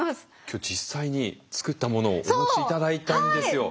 今日実際に作ったものをお持ち頂いたんですよ。